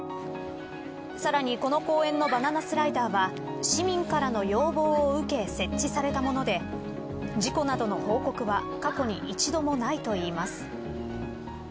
さらに、この公園のバナナスライダーは市民からの要望を受け設置されたもので事故などの報告は過去に一度もないといいます。